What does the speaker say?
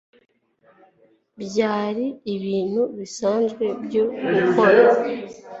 byari ibintu bisanzwe byo gukora